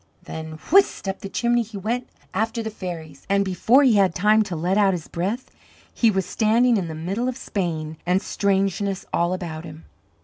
Then whist up the chimney he went after the fairies, and before he had time to let out his breath he was standing in the middle of Spain, and strangeness all about him.